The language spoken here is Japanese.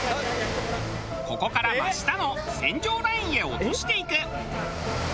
ここから真下の洗浄ラインへ落としていく。